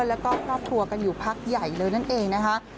แล้วก็ครอบครัวกันอยู่พักใหญ่เลยนั่นเองนะคะ